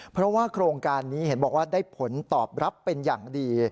เพราะว่าโครงการนี้เห็นบอกว่าได้ผลตอบรับเป็นอย่างดี